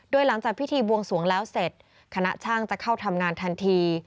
โดยหลังจากพิธีบวงสวงแล้วเสร็จคณะช่างจะเข้าทำงานทันที